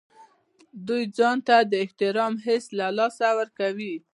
دوی ځان ته د احترام حس له لاسه ورکوي.